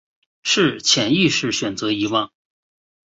是潜意识选择遗忘